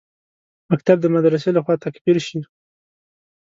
مکتب د مدرسې لخوا تکفیر شي.